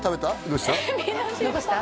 どうした？